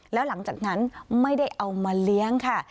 แล้วหลังจากนั้นไม่ได้เอามาเลี้ยงค่ะ